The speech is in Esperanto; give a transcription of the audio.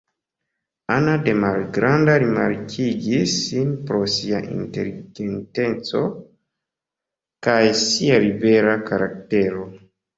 Ana de malgranda rimarkigis sin pro sia inteligenteco kaj sia libera karaktero.